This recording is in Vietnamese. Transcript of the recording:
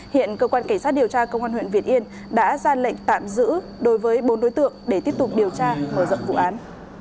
hiện cơ quan cảnh sát điều tra công an huyện việt yên đã ra lệnh tạm giữ đối với bốn đối tượng để tiếp tục điều tra mở rộng vụ án